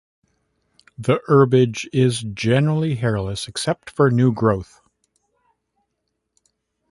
The herbage is generally hairless except for new growth.